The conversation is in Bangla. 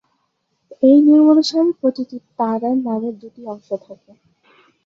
এই নিয়ম অনুসারে প্রতিটি তারার নামের দুটি অংশ থাকে।